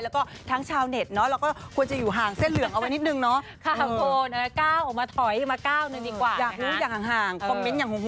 แล้วก็ทั้งชาวเน็ตเนาะเราก็ควรจะอยู่ห่างเส้นเหลืองเอาไว้นิดนึงเนาะ